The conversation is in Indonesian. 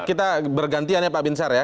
kita bergantian ya pak binsar ya